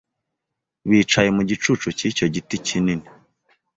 Bicaye mu gicucu cyicyo giti kinini.